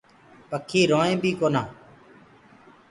پکي روئينٚ بي ڪونآ۔